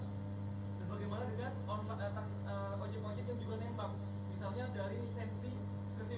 ini bukan rahasia umum bahwa taksi taksi resmi di bali